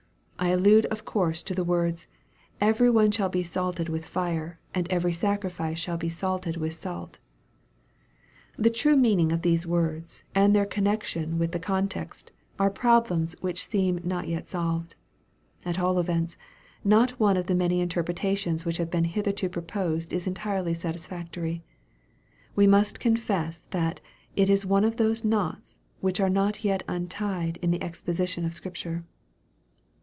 I allude of course to the words, " Every one shall be salted with fire, and every sacrifice shall be salted with salt." The true meaning of these words and their connexion with the context, are problems which seem not yet solved. At all events, not one of the many interpretations which have been hitherto proposed is entirely satisfactory. We must confess that it is one of those knots which are yet untied in the exposition of Scripture.